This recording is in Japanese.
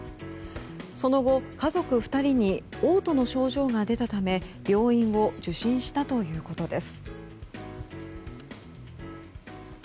その後、家族２人に嘔吐の症状が出たため病院を受診したということです。